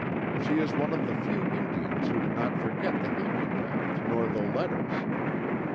She is one of the few Indians who did not forget the handicraft nor the letters."